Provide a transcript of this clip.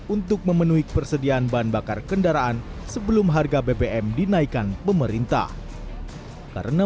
untuk memenuhi kepersediaan bahan bakar kendaraan sebelum harga bbm dinaikkan pemerintah karena